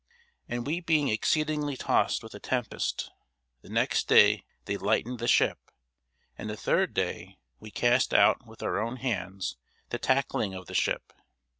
And we being exceedingly tossed with a tempest, the next day they lightened the ship; and the third day we cast out with our own hands the tackling of the ship.